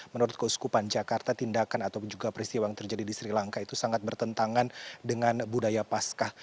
menurut keuskupan jakarta tindakan atau juga peristiwa yang terjadi di sri lanka itu sangat bertentangan dengan budaya pascah